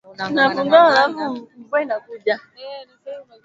likifanyika ambalo ambalo ni linahatarisha demokrasia